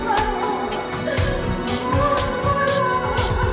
aku tidak mau